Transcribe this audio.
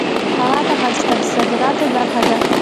هوا د افغانستان د صادراتو برخه ده.